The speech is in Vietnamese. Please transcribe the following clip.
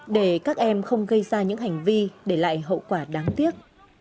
để các em không gây ra những hành vi để lại hậu quả đáng tiếc